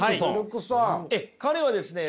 彼はですね